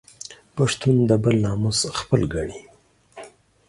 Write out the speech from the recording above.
پښتون د بل ناموس خپل ګڼي